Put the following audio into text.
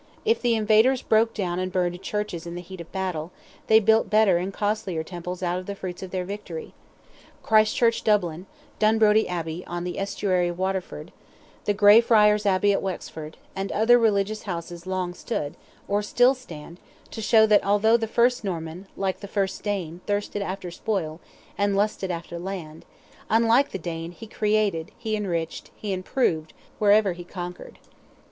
If the invaders broke down and burned churches in the heat of battle, they built better and costlier temples out of the fruits of victory. Christ Church, Dublin, Dunbrody Abbey, on the estuary of Waterford, the Grey Friars' Abbey at Wexford, and other religious houses long stood, or still stand, to show that although the first Norman, like the first Dane, thirsted after spoil, and lusted after land, unlike the Dane, he created, he enriched, he improved, wherever he conquered.